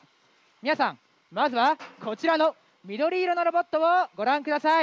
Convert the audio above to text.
皆さんまずはこちらの緑色のロボットをご覧下さい。